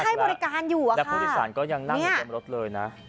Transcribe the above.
คือให้บริการอยู่อะค่ะแล้วผู้โดยสารก็ยังนั่งในกลางรถเลยนะ